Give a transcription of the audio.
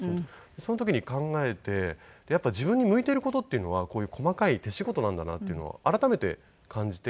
その時に考えてやっぱり自分に向いている事っていうのはこういう細かい手仕事なんだなっていうのを改めて感じて。